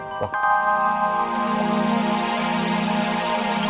kita harus tetap ngobrol